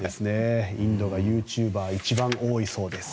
インドがユーチューバー一番多いそうです。